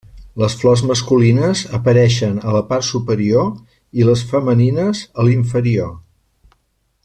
Les flors masculines apareixen a la part superior i les femenines a l'inferior.